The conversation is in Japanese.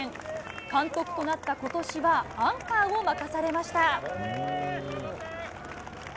監督となったことしは、アンカーを任されました。